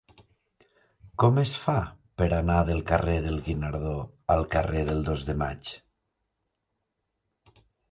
Com es fa per anar del carrer del Guinardó al carrer del Dos de Maig?